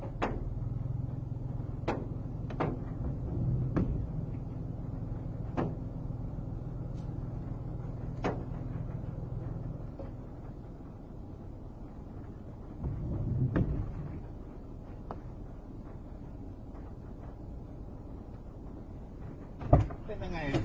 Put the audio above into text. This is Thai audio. เค้าบอกว่าหลังกับอันตรายก็ไม่มีไป